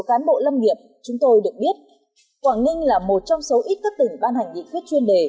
cán bộ lâm nghiệp chúng tôi được biết quảng ninh là một trong số ít các tỉnh ban hành nghị quyết chuyên đề